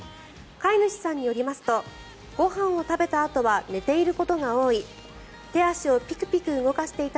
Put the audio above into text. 飼い主さんによりますとご飯を食べたあとは寝ていることが多い。